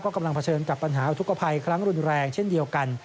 กำลังเผชิญกับปัญหาอุทธกภัยครั้งรุนแรงเช่นเดียวกัน